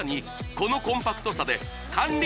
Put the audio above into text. このコンパクトさで管理